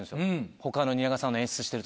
他の蜷川さんの演出してる時。